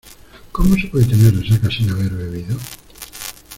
¿Cómo se puede tener resaca sin haber bebido?